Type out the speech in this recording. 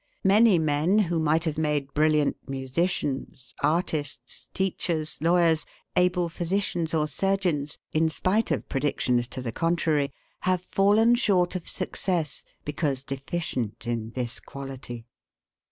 Many men who might have made brilliant musicians, artists, teachers, lawyers, able physicians or surgeons, in spite of predictions to the contrary, have fallen short of success because deficient in this quality.